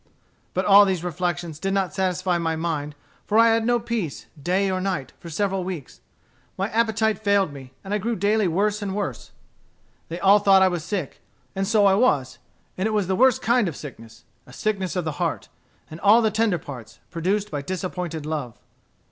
"But all these reflections did not satisfy my mind, for I had no peace, day nor night, for several weeks. My appetite failed me, and I grew daily worse and worse. They all thought I was sick; and so I was. And it was the worst kind of sickness, a sickness of the heart, and all the tender parts, produced by disappointed love."